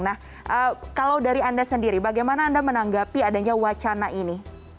nah kalau dari anda sendiri bagaimana anda menanggapi adanya wacana ini